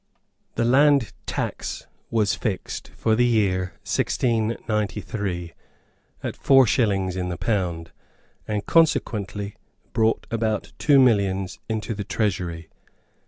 The land tax was fixed, for the year 1693, at four shillings in the pound, and consequently brought about two millions into the Treasury.